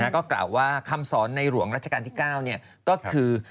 ก็กล่าวว่าคำสอนในหลวงรัชกาลที่๙ก็คือ